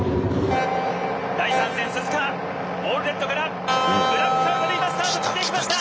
第３戦鈴鹿オールレッドからブラックアウトで今スタート切っていきました。